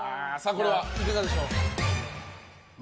これはいかがでしょう？